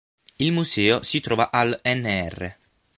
Il museo si trova al nr.